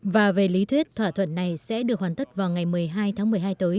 và về lý thuyết thỏa thuận này sẽ được hoàn tất vào ngày một mươi hai tháng một mươi hai tới